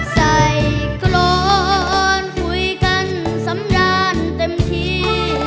ใส่กรอนคุยกันสำราญเต็มที่